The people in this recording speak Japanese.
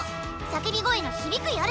「叫び声の響く夜」。